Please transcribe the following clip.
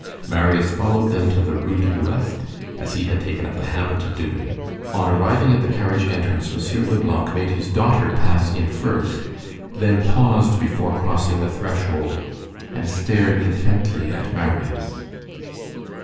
Marius followed them to the Rue de l'Ouest, as he had taken up the habit of doing. On arriving at the carriage entrance M. Leblanc made his daughter pass in first, then paused, before crossing the threshold, and stared intently at Marius.